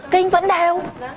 kinh vẫn đều